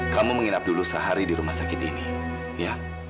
kamu menginap dulu sehari di rumah sakit ini ya